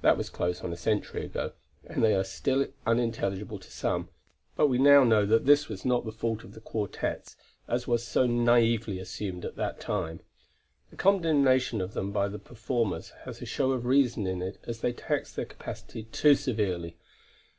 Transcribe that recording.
That was close onto a century ago, and they are still unintelligible to some, but we now know that this is not the fault of the quartets as was so naively assumed at that time. The condemnation of them by the performers has a show of reason in it as they taxed their capacity too severely.